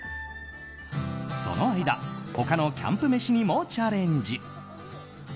その間、他のキャンプ飯にもチャレンジ。